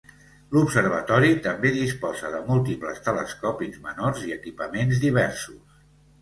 L'observatori també disposa de múltiples telescopis menors i equipaments diversos.